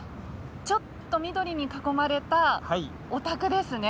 ちょっと緑に囲まれたお宅ですね。